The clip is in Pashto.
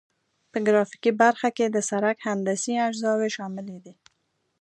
په ګرافیکي برخه کې د سرک هندسي اجزاوې شاملې دي